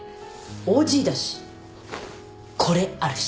ＯＧだしこれあるし。